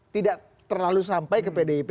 tidak terlalu sampai ke pdip